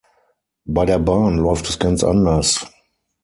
Bei der Bahn läuft es ganz anders.